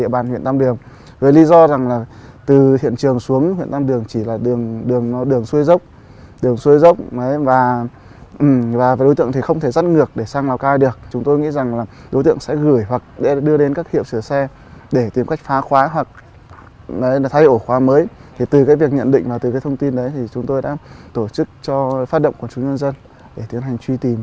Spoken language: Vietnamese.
bạn hãy đăng kí cho kênh lalaschool để không bỏ lỡ những video hấp dẫn